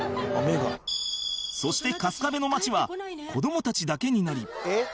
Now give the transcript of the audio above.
そして春日部の街は子どもたちだけになり